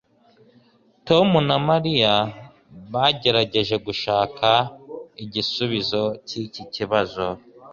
Tom na Mariya bagerageje gushaka igisubizo cyikibazo